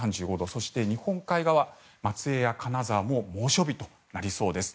そして、日本海側松江や金沢も猛暑日となりそうです。